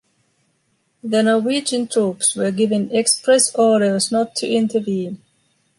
The Norwegian troops were given express orders not to intervene.